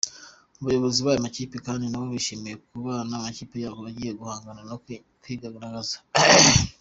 Abayobozi b’aya makipe kandi nabo bishimiye kuba amakipe yabo agiye guhangana no kwigaragaza.